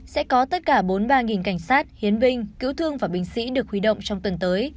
sẽ có tất cả bốn mươi ba cảnh sát hiến binh cứu thương và binh sĩ được huy động trong tuần tới